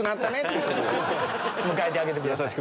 迎えてあげてください。